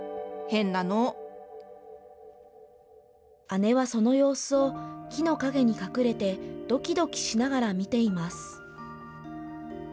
姉はその様子を、木の陰に隠れて、どきどきしながら見ています。